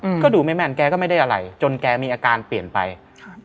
อืมก็ดูไม่แม่นแกก็ไม่ได้อะไรจนแกมีอาการเปลี่ยนไปครับ